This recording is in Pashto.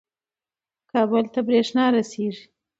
کابل ته برېښنا رسیږي.